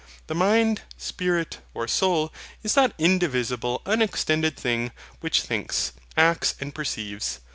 The Mind, Spirit, or Soul is that indivisible unextended thing which thinks, acts, and perceives.